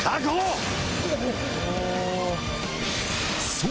そう！